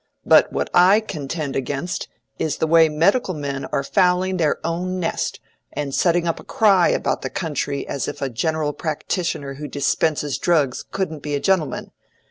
But what I contend against is the way medical men are fouling their own nest, and setting up a cry about the country as if a general practitioner who dispenses drugs couldn't be a gentleman.